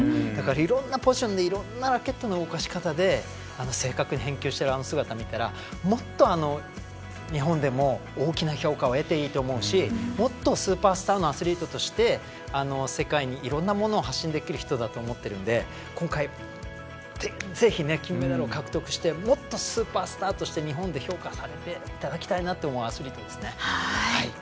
いろんなポジションでいろんなラケットの動かし方で正確に返球しているあの姿を見たらもっと日本でも大きな評価を得ていいと思うしもっとスーパースターのアスリートとして世界にいろんなものを発信できる人だと思ってるので今回、ぜひ金メダルを獲得してもっとスーパースターとして日本で評価されていただきたいと思う、アスリートですね。